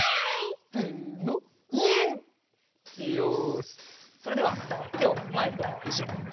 よしそれではてをまえとうしろ。